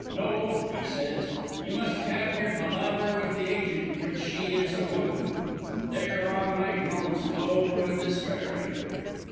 No,' he says, 'ye must have your palaver with the agent which she is a woman,' an' thereon I groans low and despairin'.